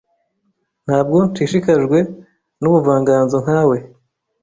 Ntabwo nshishikajwe nubuvanganzo nkawe.